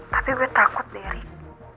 tapi gue takut deh rick